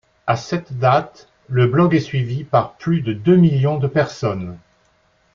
À cette date, le blog est suivi par plus de deux millions de personnes.